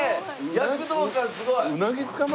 躍動感すごい！